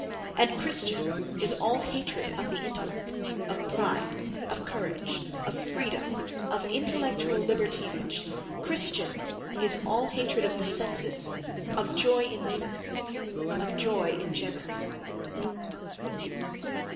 And Christian is all hatred of the intellect, of pride, of courage, of freedom, of intellectual libertinage; Christian is all hatred of the senses, of joy in the senses, of joy in general....